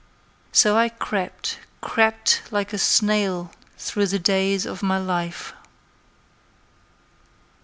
So I crept, crept, like a snail through the days Of my life.